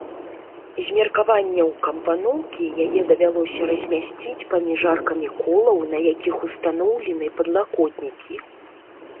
З меркаванняў кампаноўкі яе давялося размясціць паміж аркамі колаў, на якіх устаноўлены падлакотнікі.